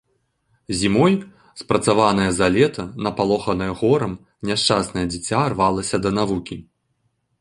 Зімой, спрацаванае за лета, напалоханае горам, няшчаснае дзіця рвалася да навукі.